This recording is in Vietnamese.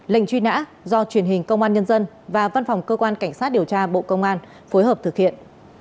lệnh truy nã do truyền hình công an nhân dân và văn phòng cơ quan cảnh sát điều tra bộ công an phối hợp thực hiện